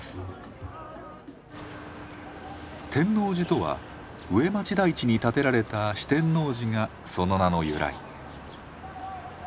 天王寺とは上町台地に建てられた四天王寺がその名の由来。